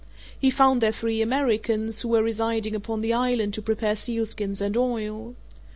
He found there three Americans, who were residing upon the island to prepare sealskins and oil.